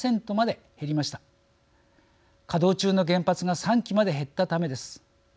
稼働中の原発が３基まで減ったためです。